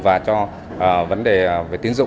và cho vấn đề về tiêu chuẩn